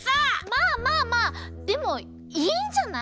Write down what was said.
まあまあまあでもいいんじゃない？